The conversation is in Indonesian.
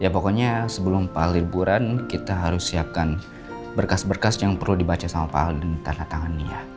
ya pokoknya sebelum liburan kita harus siapkan berkas berkas yang perlu dibaca sama pak al dan tanda tangan dia